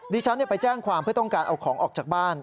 ดิฉันไปแจ้งความเพื่อต้องการเอาของออกจากบ้าน